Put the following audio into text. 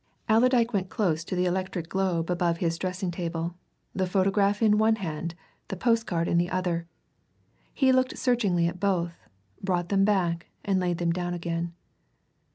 Allerdyke went close to the electric globe above his dressing table, the photograph in one hand, the postcard in the other. He looked searchingly at both, brought them back, and laid them down again.